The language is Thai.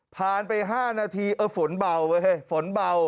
ผ่านไป๕นาทีเอ๊ะฝนเผาไว้เห้ยฝนเบา